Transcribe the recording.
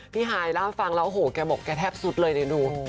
พี่หายล่างฟังแล้วแกบอกแกแทบสุดเลยนะดู